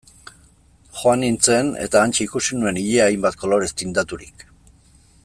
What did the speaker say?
Joan nintzen eta hantxe ikusi nuen ilea hainbat kolorez tindaturik...